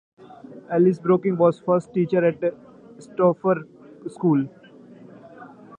Alice Brookings was the first teacher at the Stauffer school.